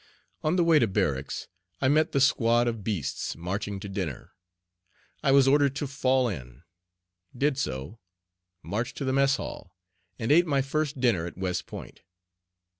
On the way to barracks I met the squad of "beasts" marching to dinner. I was ordered to fall in, did so, marched to the mess hall, and ate my first dinner at West Point.